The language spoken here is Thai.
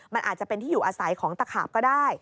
มันอาจจะเป็นที่อยู่อาศัยของตะขาบก็ได้